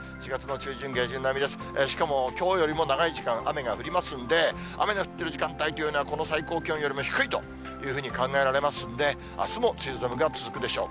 しかもきょうよりも長い時間、雨が降りますんで、雨が降ってる時間帯というのは、この最高気温よりも低いというふうに考えられますんで、あすも梅雨寒が続くでしょう。